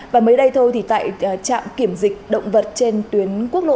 và mới đây thôi thì tại trạm kiểm dịch động vật trên tuyến quốc lộ một